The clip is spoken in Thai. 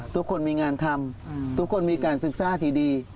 ทุกคนมีงานทำทุกคนมีการศึกษาที่ดี